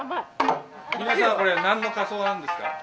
皆さんこれ何の仮装なんですか？